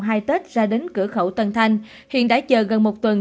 từ ngày một hai tết ra đến cửa khẩu tấn thanh hiện đã chờ gần một tuần